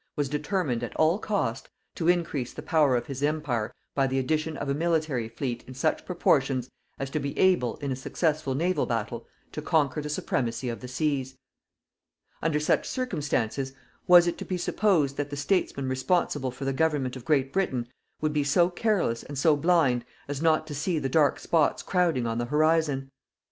was determined, at all cost, to increase the power of his Empire by the addition of a military fleet in such proportions as to be able, in a successful naval battle, to conquer the supremacy of the seas. Under such circumstances, was it to be supposed that the Statesmen responsible for the government of Great Britain would be so careless and so blind as not to see the dark spots crowding on the horizon!